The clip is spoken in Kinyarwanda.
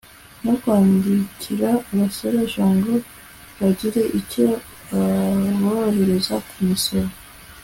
no kwandikira abasoresha ngo bagire icyo baborohereza ku misoro